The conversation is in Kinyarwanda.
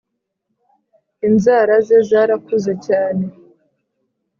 inzara ze zarakuze cyane